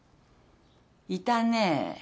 いたね。